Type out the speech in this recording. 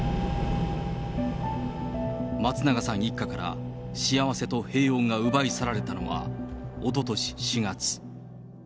松永さん一家から幸せと平穏が奪い去られたのは、おととし４月。